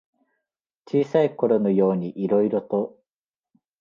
小さいころのようにいろいろと。